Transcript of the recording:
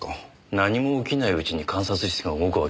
何も起きないうちに監察室が動くわけにはいかない。